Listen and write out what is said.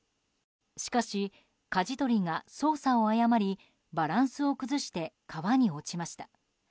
しかし、かじ取りが操作を誤りバランスを崩して川に落ちました。